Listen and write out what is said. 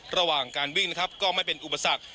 ระหว่างการวิ่งนะครับก็ไม่เป็นอุปสรรค